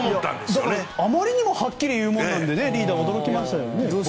だから、あまりにもはっきり言うものだからリーダー、驚きましたよね。